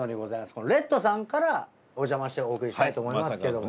この赤燈さんからお邪魔してお送りしたいと思いますけども。